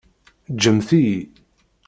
Ǧǧemt-iyi!